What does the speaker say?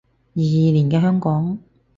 二二年嘅香港